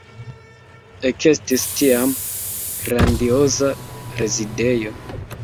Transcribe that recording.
Ekestis tiam grandioza rezidejo.